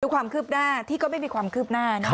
ความคืบหน้าที่ก็ไม่มีความคืบหน้า